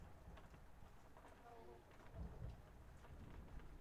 na kutumiwa huko Colombia kwenye uwanja wa matibabu